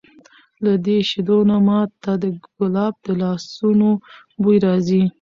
له دې شیدو نه ما ته د کلاب د لاسونو بوی راځي!